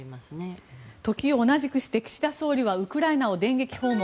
時を同じくして岸田総理はウクライナを電撃訪問。